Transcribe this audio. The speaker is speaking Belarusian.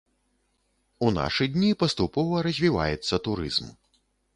У нашы дні паступова развіваецца турызм.